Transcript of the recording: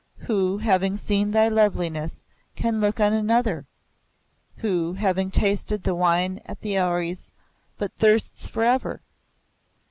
Who, having seen thy loveliness, can look on another? Who, having tasted the wine of the Houris, but thirsts forever?